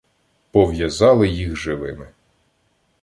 Пов'язали їх живими.